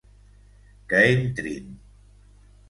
Que entrin.